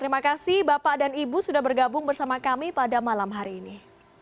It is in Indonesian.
terima kasih bapak dan ibu sudah bergabung bersama kami pada malam hari ini